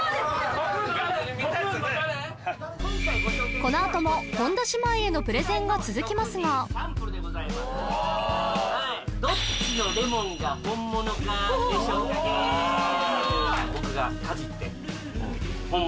このあとも本田姉妹へのプレゼンが続きますがどっちのレモンが本物でしょうかゲーム！